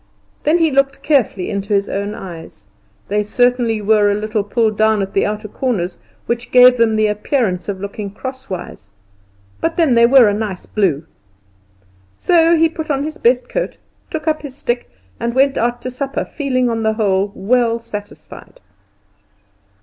Then he looked carefully into his own eyes. They certainly were a little pulled down at the outer corners, which gave them the appearance of looking crosswise; but then they were a nice blue. So he put on his best coat, took up his stick, and went out to supper, feeling on the whole well satisfied.